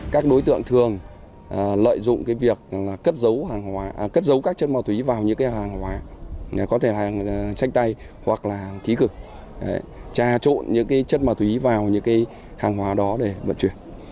các đối tượng thường lợi dụng việc cất dấu các chân ma túy vào những hàng hóa có thể là tranh tay hoặc là khí cực trà trộn những chân ma túy vào những hàng hóa đó để vận chuyển